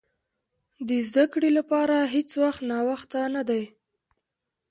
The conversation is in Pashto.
د زده کړې لپاره هېڅ وخت ناوخته نه دی.